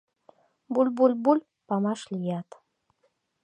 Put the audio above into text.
Буль-буль-буль — памаш лият.